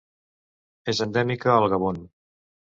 És endèmica al Gabon.